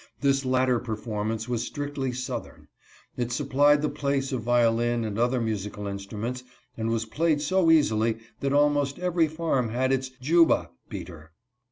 This latter performance was strictly southern. It supplied the place of violin or other musical instruments and was played so easily that almost every farm had its " Juba " beater.